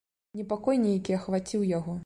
Непакой нейкі ахваціў яго.